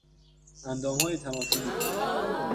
اندامهای تناسلی